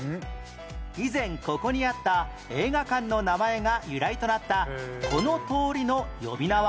以前ここにあった映画館の名前が由来となったこの通りの呼び名は？